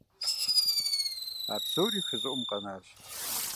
А псори хы щӀыӀум къэнащ.